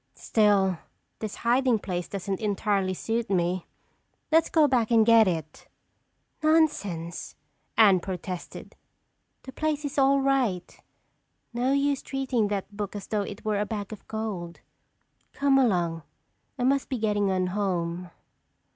Still, this hiding place doesn't entirely suit me. Let's go back and get it!" "Nonsense!" Anne protested. "The place is all right. No use treating that book as though it were a bag of gold. Come along. I must be getting on home."